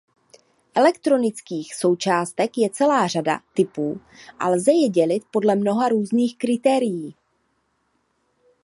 Elektronických součástek je celá řada typů a lze je dělit podle mnoha různých kritérií.